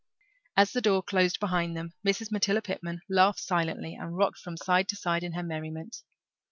As the door closed behind them Mrs. Matilda Pitman laughed silently, and rocked from side to side in her merriment.